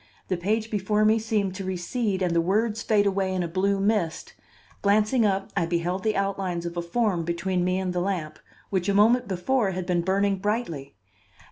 the page before me seemed to recede and the words fade away in a blue mist; glancing up I beheld the outlines of a form between me and the lamp, which a moment before had been burning brightly.